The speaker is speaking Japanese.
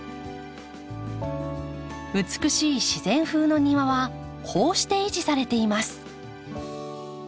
美しい自然風の庭はこうして維持されています。